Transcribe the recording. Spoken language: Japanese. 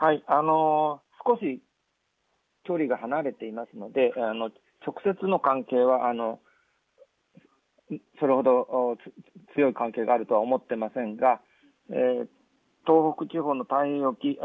少し距離が離れていますので直接の関係はそれほど強い関係があるとは思っていませんが